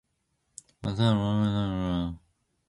만사는 이제부터다 하고 그는 아무 거침 없이 원소를 바라보고 급히 걸었다.